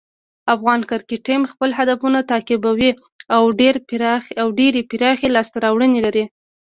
افغان کرکټ ټیم خپل هدفونه تعقیبوي او ډېرې پراخې لاسته راوړنې لري.